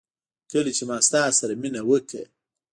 کله چي ما ستا سره مينه وکړه